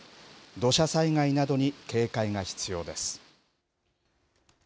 土砂災害などに警戒が必要です。